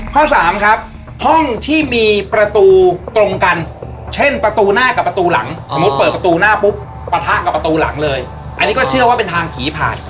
ข้อสามครับห้องที่มีประตูตรงกันเช่นประตูหน้ากับประตูหลังสมมุติเปิดประตูหน้าปุ๊บปะทะกับประตูหลังเลยอันนี้ก็เชื่อว่าเป็นทางผีผ่าน